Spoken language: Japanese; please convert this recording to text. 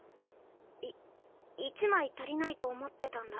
い１枚足りないと思ってたんだ。